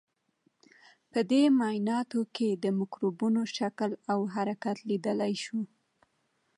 په دې معاینه کې د مکروبونو شکل او حرکت لیدلای شو.